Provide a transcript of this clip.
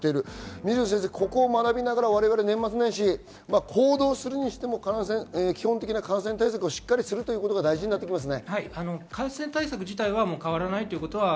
水野先生、ここを学びながら年末年始に行動するにしても基本的な感染対策をしっかりするのが大事ですね。